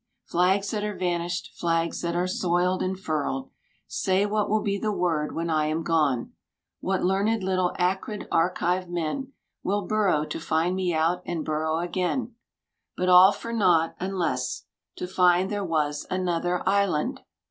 Flags that are vanished, flags that are soiled and furled. Say what will be the word when I am gone: What learned little acrid archive men Will burrow to find me out and burrow again, — But all for naught, unless To find there was another Island